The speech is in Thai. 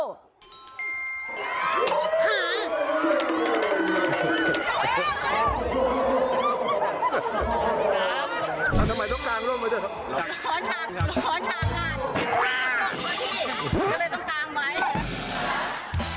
ทำไมต้องกางลงไปด้วย